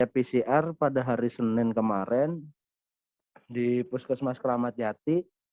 pcr pada hari senin kemarin di puskesmas keramat jati